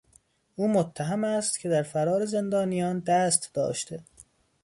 او متهم است که در فرار زندانیان دست داشته.